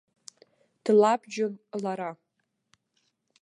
Длабжьон лара.